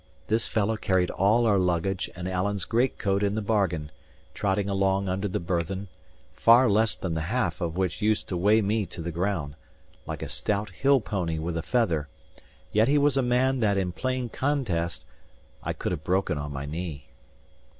This fellow carried all our luggage and Alan's great coat in the bargain, trotting along under the burthen, far less than the half of which used to weigh me to the ground, like a stout hill pony with a feather; yet he was a man that, in plain contest, I could have broken on my knee.